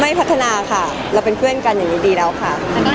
พัฒนาค่ะเราเป็นเพื่อนกันอย่างนี้ดีแล้วค่ะ